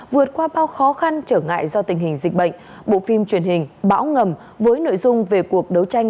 vượt qua bao khó khăn trở ngại do tình hình dịch bệnh bộ phim truyền hình bão ngầm với nội dung về cuộc đấu tranh